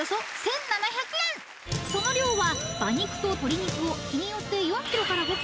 ［その量は馬肉と鶏肉を日によって４ｋｇから５ｋｇ］